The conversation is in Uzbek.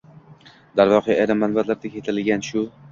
Darvoqe, ayrim manbalarda keltirilgan shu.